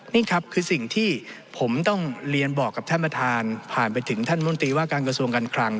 นี่ครับคือสิ่งที่ผมต้องเรียนบอกกับท่านประธานผ่านไปถึงท่านมนตรีว่าการกระทรวงการคลัง